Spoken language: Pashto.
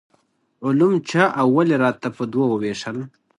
علوم چا او ولې راته په دوو وویشل.